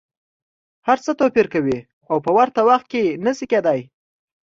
هر څه توپیر کوي او په ورته وخت کي نه شي کیدای.